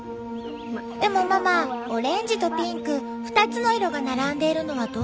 でもママオレンジとピンク２つの色が並んでいるのはどうかしら。